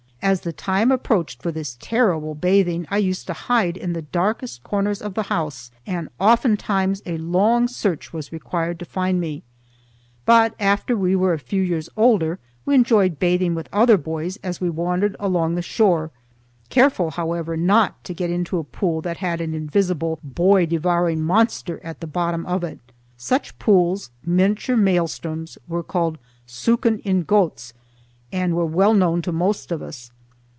As the time approached for this terrible bathing, I used to hide in the darkest corners of the house, and oftentimes a long search was required to find me. But after we were a few years older, we enjoyed bathing with other boys as we wandered along the shore, careful, however, not to get into a pool that had an invisible boy devouring monster at the bottom of it. Such pools, miniature maelstroms, were called "sookin in goats" and were well known to most of us.